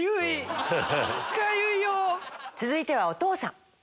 続いてはお父さん。